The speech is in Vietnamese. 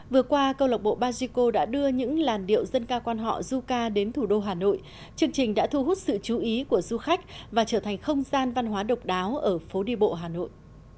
vừa qua câu lạc bộ bajiko đã đưa những làn điệu dân ca quan họ zuka đến thủ đô hà nội chương trình đã thu hút sự chú ý của du khách và trở thành không gian văn hóa độc đáo ở phố đi bộ hà nội